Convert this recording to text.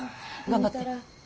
頑張って。